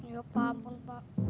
ya paham pak